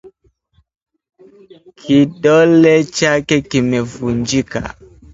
Kidole chake kimevunjika